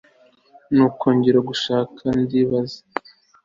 no kongera gushaka, ndibaza